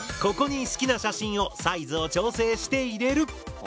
ここに好きな写真をサイズを調整して入れる。